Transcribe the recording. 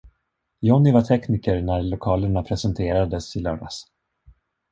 Johnny var tekniker när lokalerna presenterades i lördags.